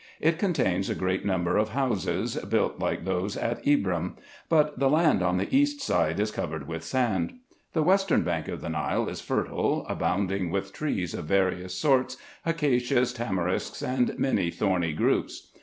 It contains a great number of houses, built like those at Ibrim ; but the land on the east side is covered with sand. The western bank of the Nile is fertile, abound ing with trees of various sorts, acacias, tamarisks, and many thorny groups.